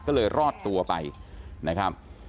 ก็เลยรอดตัวไปนะครับ